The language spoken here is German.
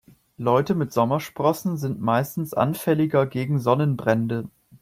Leute mit Sommersprossen sind meistens anfälliger gegen Sonnenbrände.